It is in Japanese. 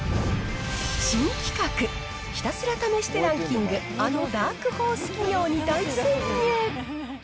新企画、ひたすら試してランキング、あのダークホース企業に大潜入！